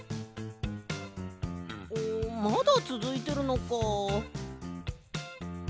おまだつづいてるのか。